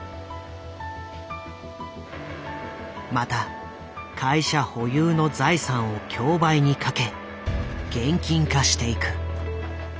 また会社保有の財産を競売にかけ現金化していく。